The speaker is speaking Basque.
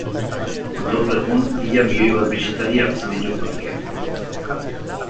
Gaur egun ia milioi bat bisitari hartzen ditu parkeak.